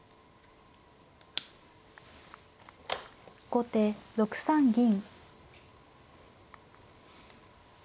後手６三銀。